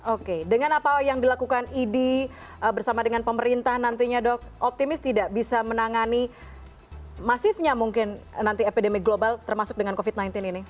oke dengan apa yang dilakukan idi bersama dengan pemerintah nantinya dok optimis tidak bisa menangani masifnya mungkin nanti epidemi global termasuk dengan covid sembilan belas ini